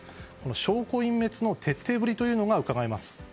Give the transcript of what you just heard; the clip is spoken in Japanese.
証拠隠滅の徹底ぶりというのがうかがえます。